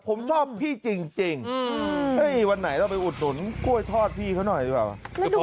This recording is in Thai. ผมชอบพี่จริงวันไหนเราไปอุดหนุนกล้วยทอดพี่เขาหน่อยดีกว่า